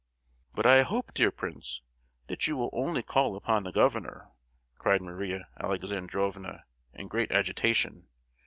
"But I hope, dear prince, that you will only call upon the governor!" cried Maria Alexandrovna, in great agitation.